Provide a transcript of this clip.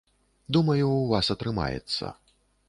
Думаю, у вас атрымаецца.